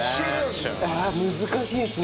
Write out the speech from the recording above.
難しいんですね。